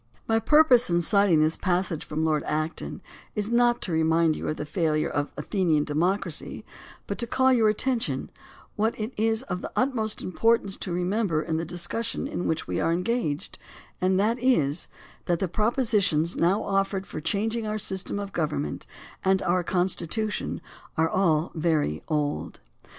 My purpose in citing this passage from Lord Acton is not to remind you of the failure of Athenian democ racy, but to call to your attention, what it is of the utmost importance to remember in the discussion in which we are engaged, and that is that the proposi tions now offered for changing our system of govern ment and our Constitution are all very old.